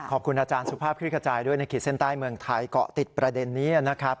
ขอบคุณอาจารย์สุภาพคลิกขจายด้วยในขีดเส้นใต้เมืองไทยเกาะติดประเด็นนี้นะครับ